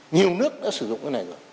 nhiều nước đã sử dụng cái này rồi